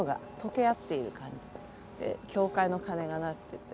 で教会の鐘が鳴ってて。